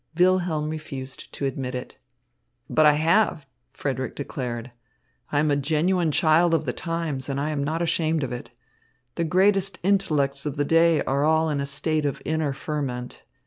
Wilhelm refused to admit it. "But I have," Frederick declared. "I am a genuine child of the times, and I am not ashamed of it. The greatest intellects of the day are all in a state of inner ferment.